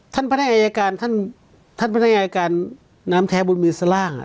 ท่านพนักอายการท่านท่านพนักอายการน้ำแท้บุญมือสล่างอ่ะ